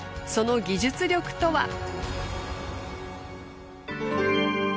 その技術力とは？